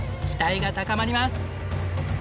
期待が高まります！